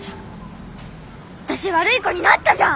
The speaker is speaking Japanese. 私悪い子になったじゃん！